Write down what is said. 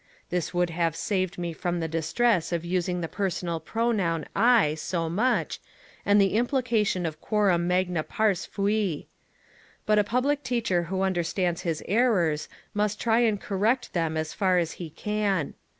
This would have saved me from the distress of using the personal pronoun ^^ I " so much, and the implication of Quorum magna pars fui. But a public teacher who understands his errors must try and correct them as far as he can.